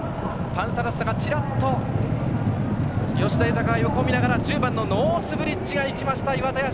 パンサラッサがちらっと吉田豊、横を見て１０番ノースブリッジがいきました。